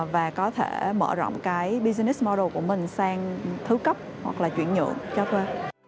và có thể mở rộng cái business model của mình sang thư cấp hoặc là chuyển nhượng cho quê